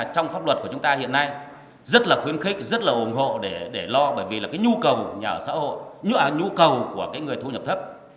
trong pháp luật của chúng ta hiện nay rất là khuyến khích rất là ủng hộ để lo bởi vì là cái nhu cầu nhà ở xã hội nhu cầu của người thu nhập thấp